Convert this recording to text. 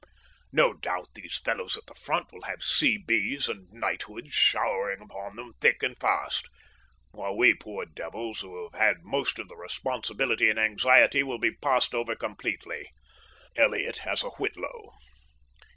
No doubt these fellows at the Front will have C.B.'s and knighthoods showering upon them thick and fast, while we poor devils, who have had most of the responsibility and anxiety, will be passed over completely. Elliott has a whitlow.